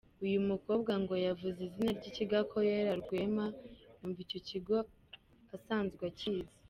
Uyu mukobwa ngo yavuze izina ry’ ikigo akorera Rwema yumva icyo kigo asanzwe akizi.